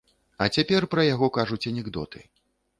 А цяпер пра яго кажуць анекдоты.